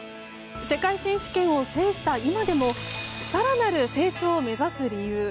世界選手権を制した今でも更なる成長を目指す理由。